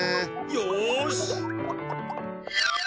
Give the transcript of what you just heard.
よし！